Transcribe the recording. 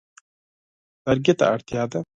لرګي ته اړتیا ده.